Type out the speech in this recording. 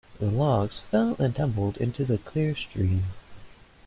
The logs fell and tumbled into the clear stream.